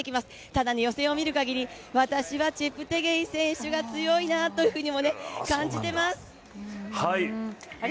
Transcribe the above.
ただ、予選を見るかぎり、私はチェプテゲイ選手が強いなと感じています。